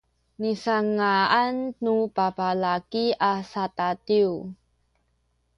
nisanga’an nu babalaki a sadadiw